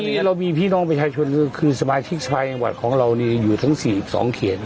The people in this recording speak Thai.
อันนี้เรามีพี่น้องประชาชนคือสมาธิกส์สะพายงังวัดของเราทั้ง๔๒เคียง